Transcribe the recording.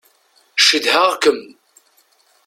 Cedhaɣ-kem.